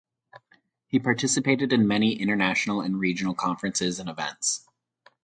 He participated in many international and regional conferences and events.